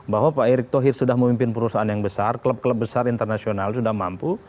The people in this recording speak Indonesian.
bahwa pak erick thohir sudah memimpin perusahaan yang besar klub klub besar internasional sudah mampu